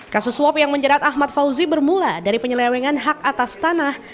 kasus suap yang menjerat ahmad fauzi bermula dari penyelewengan hak atas tanah